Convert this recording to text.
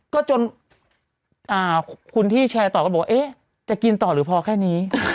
ก็จนคนที่แชร์ต่อก็บอกว่าจะกินต่อหรือพอแค่นี้